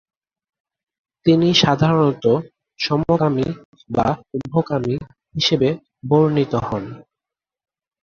তিনি সাধারণত সমকামী বা উভকামী হিসেবে বর্ণিত হন।